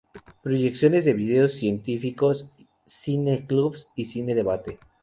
Proyecciones de videos científicos, cine clubs y cine debate.